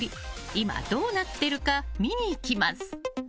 今どうなっているか見に行きます。